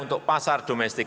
untuk pasar domestik